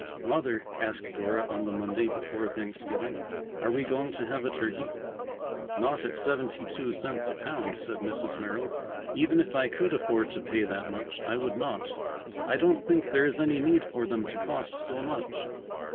"Mother," asked Dora on the Monday before Thanksgiving, "are we going to have a turkey?" "Not at seventy two cents a pound," said Mrs. Merrill. "Even if I could afford to pay that much, I would not. I don't think there is any need for them to cost so much."